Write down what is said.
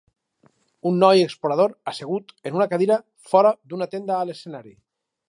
Un noi explorador assegut en una cadira fora d'una tenda a l'escenari.